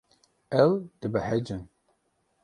Ew dibehecin.